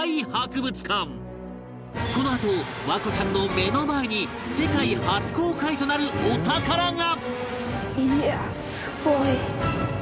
このあと環子ちゃんの目の前に世界初公開となるお宝が！